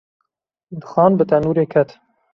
Dixan bi tenûrê ket.